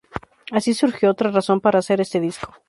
Así surgió otra razón para hacer este disco.